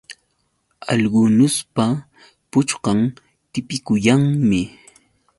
Algunuspa puchkan tipikuyanmi.